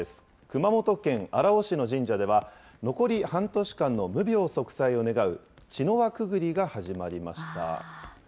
熊本県荒尾市の神社では、残り半年間の無病息災を願う茅の輪くぐりが始まりました。